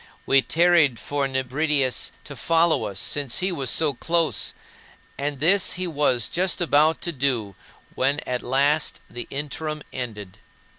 We tarried for Nebridius to follow us, since he was so close, and this he was just about to do when at last the interim ended.